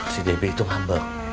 si debbie itu ngambek